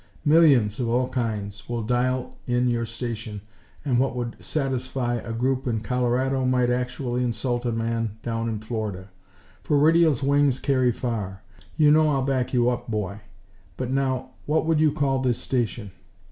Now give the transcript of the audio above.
Millions, of all kinds, will dial in your station; and what would highly satisfy a group in Colorado might actually insult a man down in Florida; for radio's wings carry far. You know I'll back you up, boy. But now, what would you call this station?"